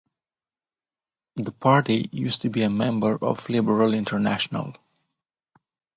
The party used to be a member of Liberal International.